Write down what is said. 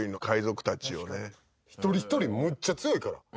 一人一人むっちゃ強いから。